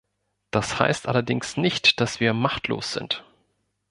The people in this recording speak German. Das heißt allerdings nicht, dass wir machtlos sind.